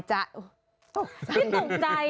ไม่ตกใจอ่ะ